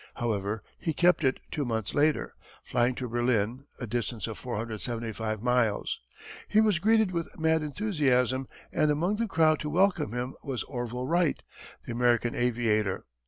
However, he kept it two months later, flying to Berlin, a distance of 475 miles. He was greeted with mad enthusiasm and among the crowd to welcome him was Orville Wright the American aviator.